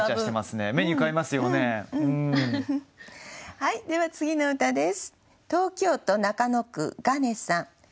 はいでは次の歌です。